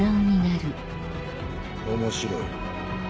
面白い。